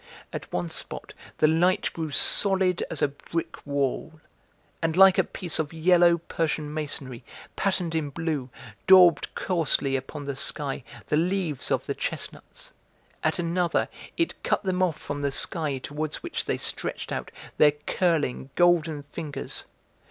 At one spot the light grew solid as a brick wall, and like a piece of yellow Persian masonry, patterned in blue, daubed coarsely upon the sky the leaves of the chestnuts; at another, it cut them off from the sky towards which they stretched out their curling, golden fingers.